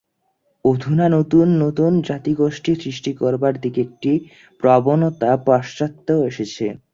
অধুনা নূতন নূতন জাতিগোষ্ঠী সৃষ্টি করবার দিকে একটি প্রবণতা পাশ্চাত্ত্যেও এসেছে।